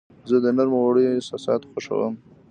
زه د نرمو وړیو احساس خوښوم.